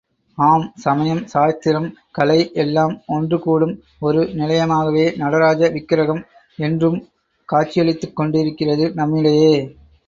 ஆம், சமயம் சாஸ்திரம் கலை எல்லாம் ஒன்றுகூடும் ஒரு நிலையமாக நடராஜ விக்கிரகம் என்றும் காட்சியளித்துக்கொண்டிருக்கிறது நம்மிடையே.